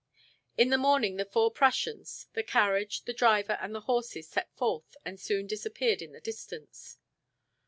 In the morning the four Prussians, the carriage, the driver, and the horses set forth and soon disappeared in the distance.